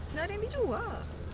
nggak ada yang dijual